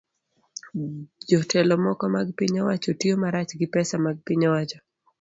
Jotelo moko mag piny owacho tiyo marach gi pesa mag piny owacho